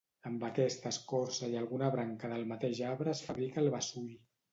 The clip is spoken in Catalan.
Amb aquesta escorça i alguna branca del mateix arbre es fabrica el beçull.